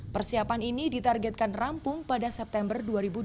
persiapan ini ditargetkan rampung pada september dua ribu dua puluh